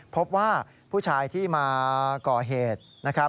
พบว่าผู้ชายที่มาก่อเหตุ